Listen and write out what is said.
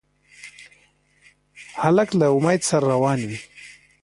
هلک له امید سره روان وي.